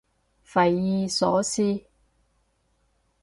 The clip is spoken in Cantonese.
匪夷所思